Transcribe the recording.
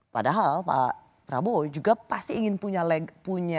padahal pak prabowo juga pasti ingin punya